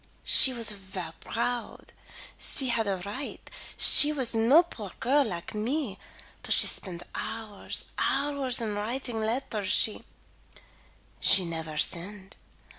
She was ver proud. She had a right; she was no poor girl like me but she spend hours hours in writing letters she nevaire send.